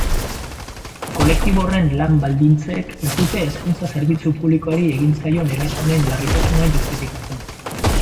Kolektibo horren lan-baldintzek ez dute hezkuntza-zerbitzu publikoari egin zaion eraso honen larritasuna justifikatzen.